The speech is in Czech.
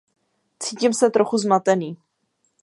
Cítím se trochu zmatený.